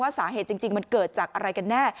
สาเหตุจริงมันเกิดจากอะไรกันแน่